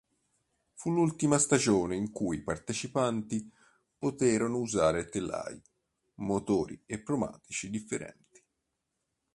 Fu l'ultima stagione in cui i partecipanti poterono usare telai, motori e pneumatici differenti.